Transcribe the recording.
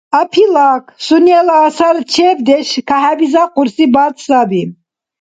Апилак – сунела асарчебдеш кахӀебизахъурси БАД саби.